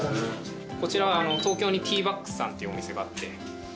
こちらは東京にＴＥＡＢＵＣＫＳさんっていうお店があって。